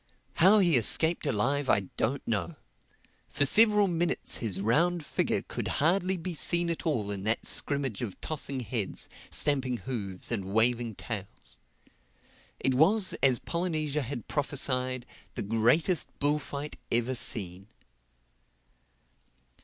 How he escaped alive I don't know. For several minutes his round figure could hardly be seen at all in that scrimmage of tossing heads, stamping hoofs and waving tails.—It was, as Polynesia had prophesied, the greatest bullfight ever seen.